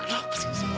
jangan nih sama gue